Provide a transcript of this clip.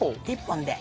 １本で。